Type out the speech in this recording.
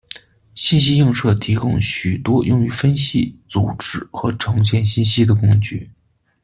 信息映射提供许多用于分析、组织和呈现信息的工具。